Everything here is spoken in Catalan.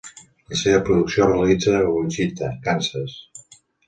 La seva producció es realitza a Wichita, Kansas.